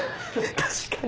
確かに。